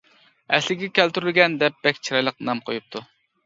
«ئەسلىگە كەلتۈرۈلگەن» دەپ بەك چىرايلىق نام قويۇپتۇ.